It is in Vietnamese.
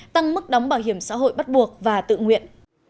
tăng mức đóng bảo hiểm xã hội bắt buộc và tự nguyện